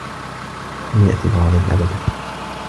لم يأت فاضل أبدا.